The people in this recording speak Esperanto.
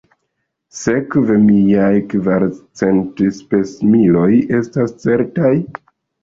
Sekve miaj kvarcent spesmiloj estas certaj?